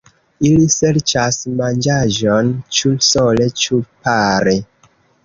Ili serĉas manĝaĵon ĉu sole ĉu pare.